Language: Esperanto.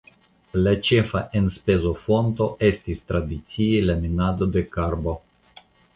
La ĉefa enspezofonto estis tradicie la minado de karbo.